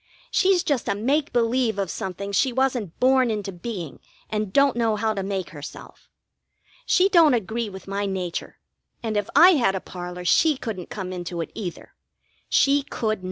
She's just a make believe of something she wasn't born into being and don't know how to make herself. She don't agree with my nature, and if I had a parlor she couldn't come into it either. She could not.